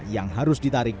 yang harus ditandai